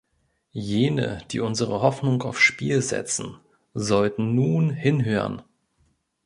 Jene, die unsere Hoffnung aufs Spiel setzen, sollten nun hinhören.